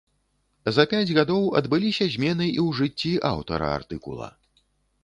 За пяць гадоў адбыліся змены і ў жыцці аўтара артыкула.